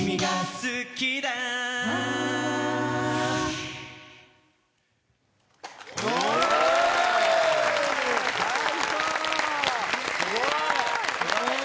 すごい。